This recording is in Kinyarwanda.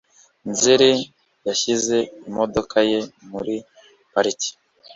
Nzeyi yashyize imodoka ye muri parike.